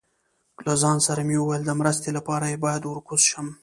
له ځان سره مې وویل، د مرستې لپاره یې باید ور کوز شم.